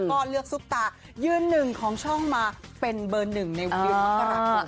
ก็เลือกซุปตายืนหนึ่งของช่องมาเป็นเบอร์หนึ่งในเดือนมกราคม